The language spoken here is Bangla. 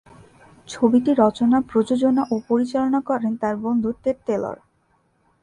ছবিটি রচনা, প্রযোজনা ও পরিচালনা করেন তার বন্ধু টেট টেলর।